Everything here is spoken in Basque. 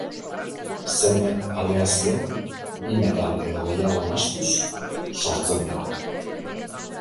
Zenbait aleazio bi metal edo gehiago nahastuz sortzen dira.